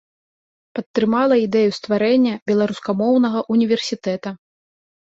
Падтрымала ідэю стварэння беларускамоўнага ўніверсітэта.